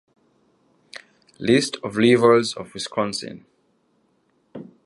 List of rivers of Wisconsin